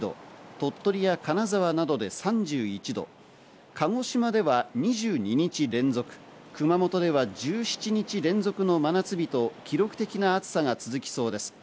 鳥取や金沢などで３１度、鹿児島では２２日連続、熊本では１７日連続の真夏日と記録的な暑さが続きそうです。